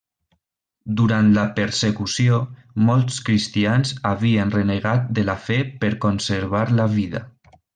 Durant la persecució, molts cristians havien renegat de la fe per conservar la vida.